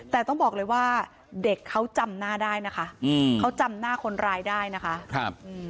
แต่ต้องบอกเลยว่าเด็กเขาจำหน้าได้นะคะอืมเขาจำหน้าคนร้ายได้นะคะครับอืม